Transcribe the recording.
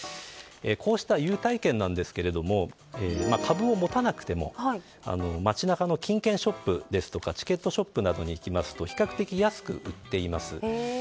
こうした優待券なんですけれども株を持たなくても街中の金券ショップですとかチケットショップなどに行くと比較的安く売っています。